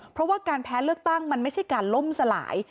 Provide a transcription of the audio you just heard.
เพราะว่าการแพ้เลือกตั้งมันไม่ใช่การล่มสลาย